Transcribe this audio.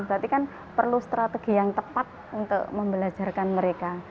berarti kan perlu strategi yang tepat untuk membelajarkan mereka